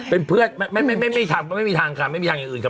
เป็นเพื่อนไม่มีทางค่ะไม่มีทางอย่างอื่นค่ะ